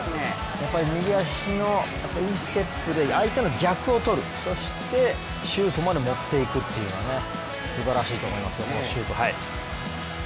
右足のインステップで相手の逆をとる、そしてシュートまで持っていくというのがすばらしいと思います。